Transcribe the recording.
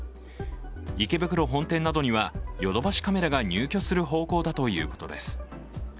池袋本店などにはヨドバシカメラが入居する方向だということです。